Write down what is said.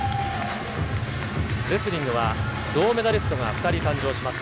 レスリングは銅メダリストが２人誕生します。